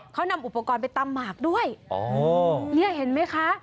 เขานำอุปกรณ์ไปตำหมากด้วยอ๋อเนี่ยเห็นไหมคะ